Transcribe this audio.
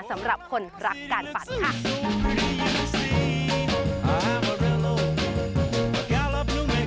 สำหรับคนรักการฝันค่ะ